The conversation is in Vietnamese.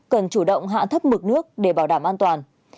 cần chủ động hạ thấp mực nước để bảo đảm an toàn